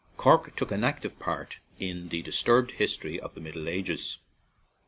Cork took an active part in the disturbed history of the Middle Ages.